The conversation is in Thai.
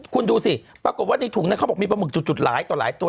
คุณดูสิปรากฏว่าในถุงนั้นเขาบอกมีปลาหมึกจุดหลายต่อหลายตัว